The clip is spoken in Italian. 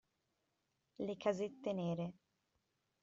Le casette nere.